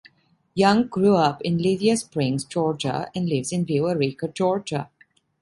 Young grew up in Lithia Springs, Georgia and lives in Villa Rica, Georgia.